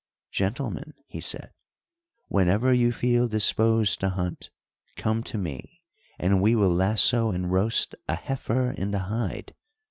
"Gentlemen," he said, "whenever you feel disposed to hunt, come to me and we will lasso and roast a heifer in the hide.